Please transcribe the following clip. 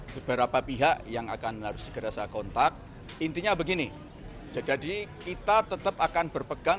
beberapa pihak yang akan harus segera saya kontak intinya begini jadi kita tetap akan berpegang